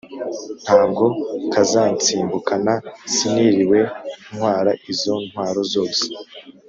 ntabwo kazansimbukana, siniriwe ntwara izo ntwaro zose."